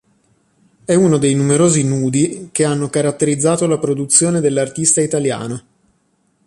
È uno dei numerosi "nudi" che hanno caratterizzato la produzione dell'artista italiano.